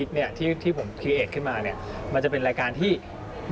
แต่ว่าช่องผมเนี่ยผมจะทำเป็นเกมโชว์